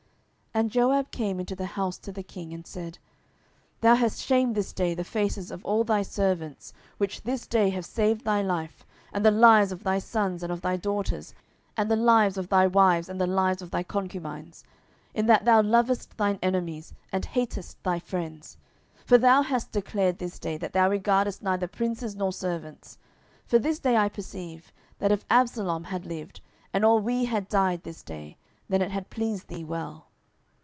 10:019:005 And Joab came into the house to the king, and said, Thou hast shamed this day the faces of all thy servants, which this day have saved thy life, and the lives of thy sons and of thy daughters, and the lives of thy wives, and the lives of thy concubines; 10:019:006 In that thou lovest thine enemies, and hatest thy friends. For thou hast declared this day, that thou regardest neither princes nor servants: for this day I perceive, that if Absalom had lived, and all we had died this day, then it had pleased thee well.